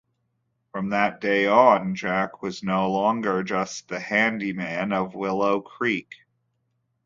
From that day on, Jack was no longer just the handyman of Willow Creek.